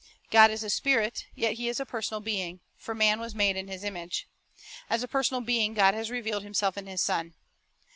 God is a spirit; yet He is a personal being, for man was made in His image. As a personal being, God has revealed Himself in His Son.